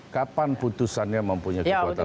kapan putusannya mempunyai kekuatan hukum tetap